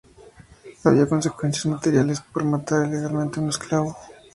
Había consecuencias materiales por matar ilegalmente a un esclavo.